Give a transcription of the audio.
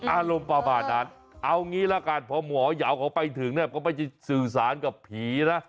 อารมณ์ประมาณนั้นเอางี้ละกันพอหมอยาวเขาไปถึงเนี่ยก็ไม่ใช่สื่อสารกับผีนะ